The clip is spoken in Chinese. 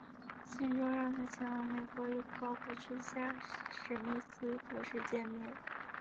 信中让他前往美国与考古学家史密斯博士见面。